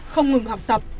không ngừng học tập